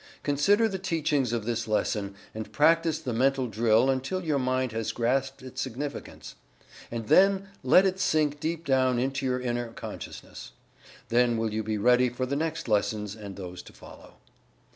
Consider the teachings of this lesson, and practice the Mental Drill until your mind has grasped its significance, then let it sink deep down into your inner consciousness. Then will you be ready for the next lessons, and those to follow.